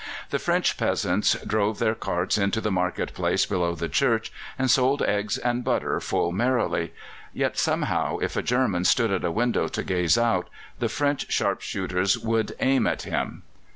The French peasants drove their carts into the market place below the church and sold eggs and butter full merrily; yet somehow, if a German stood at a window to gaze out, the French sharpshooters would aim at him.